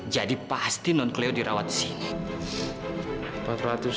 jadi pasti non kleo dirawat sini